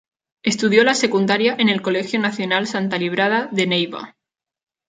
Estudió la secundaria en el Colegio Nacional Santa Librada de Neiva.